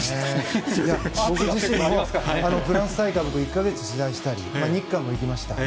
フランス大会も１か月取材したり日韓も行きました。